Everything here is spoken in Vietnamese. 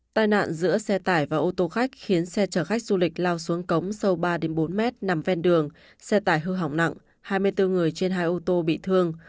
tai nạn giữa xe tải và ô tô khách khiến xe chở khách du lịch lao xuống cống sâu ba bốn mét nằm ven đường xe tải hư hỏng nặng hai mươi bốn người trên hai ô tô bị thương